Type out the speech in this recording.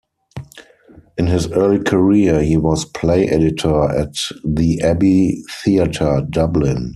In his early career he was play editor at the Abbey Theatre, Dublin.